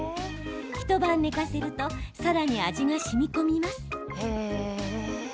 一晩寝かせるとさらに味がしみこみます。